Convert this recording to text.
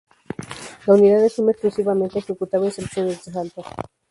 La unidad de suma exclusivamente ejecutaba instrucciones de salto.